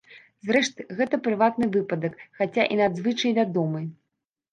Зрэшты, гэта прыватны выпадак, хаця і надзвычай вядомы.